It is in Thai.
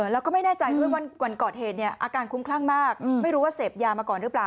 แล้วก็ไม่แน่ใจด้วยวันก่อเหตุเนี่ยอาการคุ้มคลั่งมากไม่รู้ว่าเสพยามาก่อนหรือเปล่า